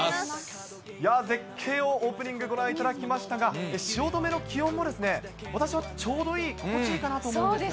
絶景をオープニングでご覧いただきましたが、汐留の気温も、私はちょうどいい、心地いいかなと思うんですが。